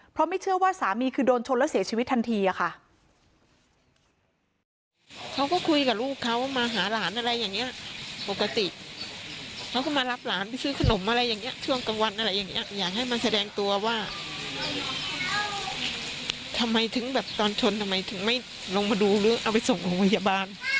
เพราะไม่เชื่อว่าสามีคือโดนชนแล้วเสียชีวิตทันทีค่ะ